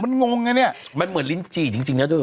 มันอ่านมันงงไงเนี่ยมันเหมือนลิ้นจี่จริงนะเธอ